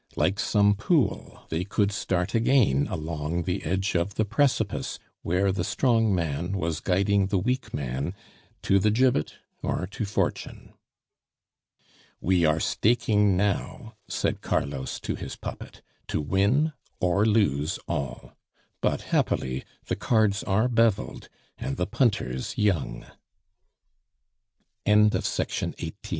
Like some pool, they could start again along the edge of the precipice where the strong man was guiding the weak man to the gibbet or to fortune. "We are staking now," said Carlos to his puppet, "to win or lose all. But, happily, the cards are beveled, and the pun